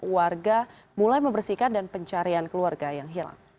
warga mulai membersihkan dan pencarian keluarga yang hilang